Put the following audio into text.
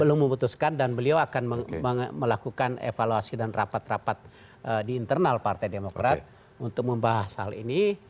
belum memutuskan dan beliau akan melakukan evaluasi dan rapat rapat di internal partai demokrat untuk membahas hal ini